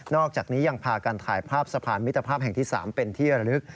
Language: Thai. อกจากนี้ยังพากันถ่ายภาพสะพานมิตรภาพแห่งที่๓เป็นที่ระลึก